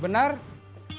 dengan bapak firmasa fitra